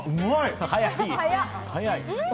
早い。